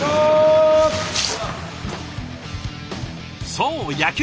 そう野球。